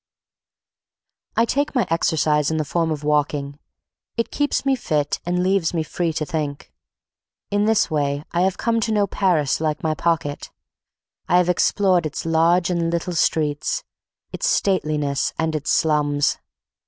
I take my exercise in the form of walking. It keeps me fit and leaves me free to think. In this way I have come to know Paris like my pocket. I have explored its large and little streets, its stateliness and its slums.